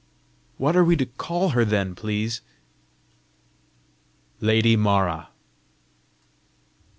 "What are we to call her then, please?" "Lady Mara."